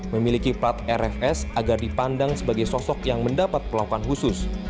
memiliki plat rfs agar dipandang sebagai sosok yang mendapat perlakuan khusus